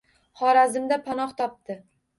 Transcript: Xorazmda panoh topdi